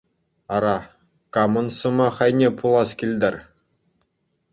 Ара, камӑн сӑмах айне пулас килтӗр?